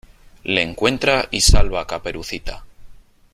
le encuentra y salva a Caperucita .